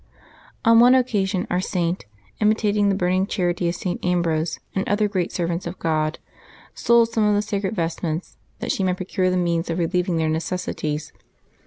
On one occasion our Saint, imi tating the burning charity of St. Ambrose and other great servants of God, sold some of the sacred vestments that she might procure the means of relieving their necessities.